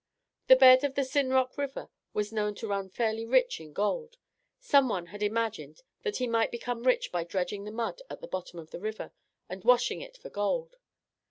The bed of the Sinrock River was known to run fairly rich in gold. Someone had imagined that he might become rich by dredging the mud at the bottom of the river and washing it for gold.